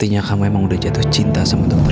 karena kamu harus kontrol jantung sekarang kan